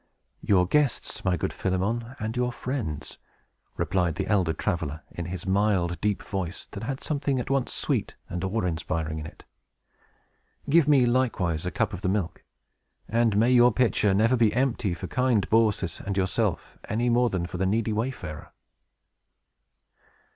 "Your guests, my good Philemon, and your friends," replied the elder traveler, in his mild, deep voice, that had something at once sweet and awe inspiring in it. "Give me likewise a cup of the milk; and may your pitcher never be empty for kind Baucis and yourself, any more than for the needy wayfarer!"